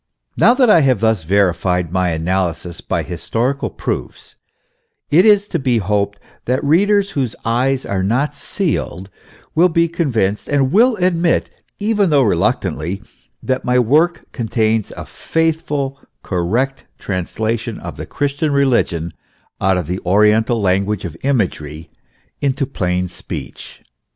Now that I have thus verified my analysis by historical proofs, it is to be hoped that readers whose eyes are not sealed will be convinced and will admit, even though reluctantly, that my work contains a faithful, correct translation of the Christian religion out of the oriental language .of imagery into plain speech.